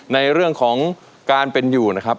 ในเรื่องของการเป็นอยู่นะครับ